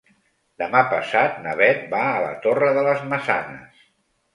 Demà passat na Beth va a la Torre de les Maçanes.